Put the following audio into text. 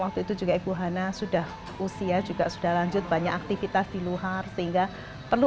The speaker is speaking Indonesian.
waktu itu juga ibu hana sudah usia juga sudah lanjut banyak aktivitas di luar sehingga perlu